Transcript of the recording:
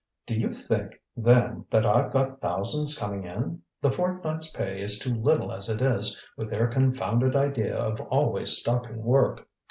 "Do you think, then, that I've got thousands coming in? The fortnight's pay is too little as it is, with their confounded idea of always stopping work."